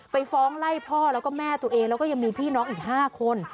ไปฟ้องไล่พ่อแล้วก็แม่ตัวเองแล้วก็ยังมีพี่น้องอีก๕คน